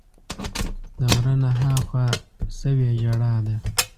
د غره نه ها خوا سوې ژړا ده